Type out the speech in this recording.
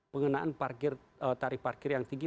pengenaan tarif parkir yang tinggi